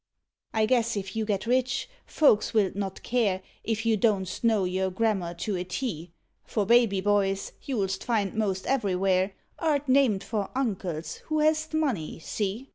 I guess if you get rich folks wilt not care If you don tst know your grammar to a T, For baby boys, you list find most everywhere, Art named for uncles who hast money, see?